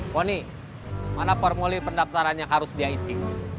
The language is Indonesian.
fonny mana formulir pendaftaran yang harus dia isi